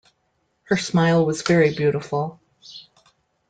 Her smile was very beautiful.